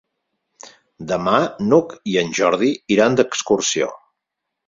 Demà n'Hug i en Jordi iran d'excursió.